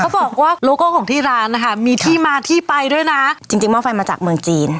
บอกว่าโลโก้ของที่ร้านนะคะมีที่มาที่ไปด้วยนะจริงจริงหม้อไฟมาจากเมืองจีน